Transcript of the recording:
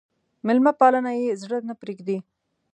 مېلمه پالنه يې زړه نه پرېږدي.